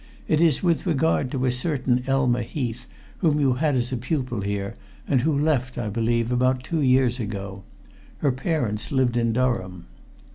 It is with regard to a certain Elma Heath whom you had as pupil here, and who left, I believe, about two years ago. Her parents lived in Durham."